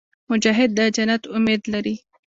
مجاهد د جنت امید لري.